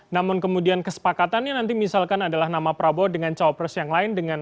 namun kemudian kesepakatannya nanti misalkan adalah nama prabowo dengan cawapres yang lain